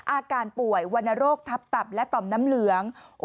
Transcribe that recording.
อาการป่วยวรรณโรคทับตับและต่อมน้ำเหลือง